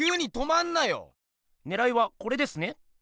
ねらいはこれですね？